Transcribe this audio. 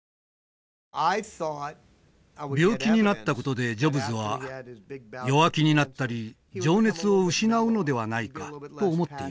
病気になった事でジョブズは弱気になったり情熱を失うのではないかと思っていました。